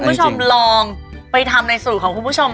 คุณผู้ชมลองไปทำในสูตรของคุณผู้ชม